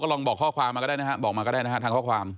ก็ลองบอกข้อความมาก็ได้บอกมาก็ได้ทางข้อความ